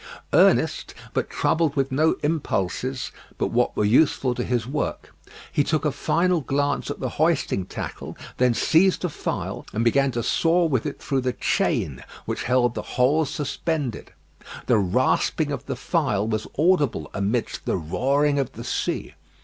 Earnest, but troubled with no impulses but what were useful to his work, he took a final glance at the hoisting tackle, then seized a file and began to saw with it through the chain which held the whole suspended. The rasping of the file was audible amidst the roaring of the sea.